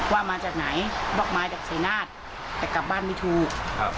ว่ามาจากไหนบอกมาจากชายนาฏแต่กลับบ้านไม่ถูกครับ